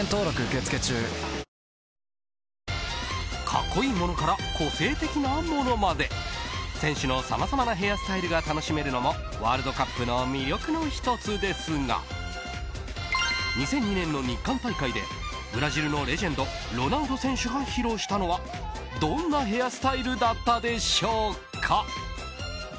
格好いいものから個性的なものまで選手のさまざまなヘアスタイルが楽しめるのもワールドカップの魅力の１つですが２００２年の日韓大会でブラジルのレジェンドロナウド選手が披露したのはどんなヘアスタイルだったでしょうか。